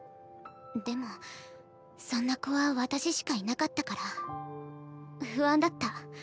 でもそんな子は私しかいなかったから不安だった。